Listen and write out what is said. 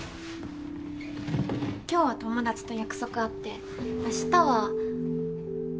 今日は友達と約束あって明日は。